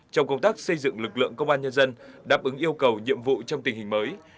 trong công tác xây dựng lực lượng công an nhân dân đáp ứng yêu cầu nhiệm vụ trong tình hình mới